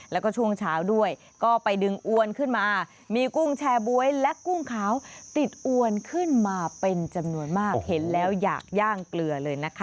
แล้วก็ช่วงเช้าด้วยก็ไปดึงอวนขึ้นมามีกุ้งแชร์บ๊วยและกุ้งขาวติดอวนขึ้นมาเป็นจำนวนมากเห็นแล้วอยากย่างเกลือเลยนะคะ